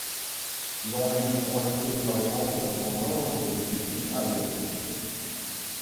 Il en existe en effet des variantes dans nombre de cuisines asiatiques.